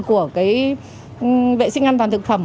của vệ sinh an toàn thực phẩm